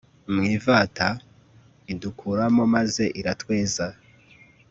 mu ivata idukuramo maze iratweza